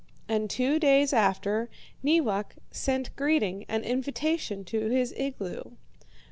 "And two days after, Neewak sent greeting and invitation to his igloo.